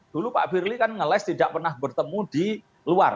dulu pak firly kan ngeles tidak pernah bertemu di luar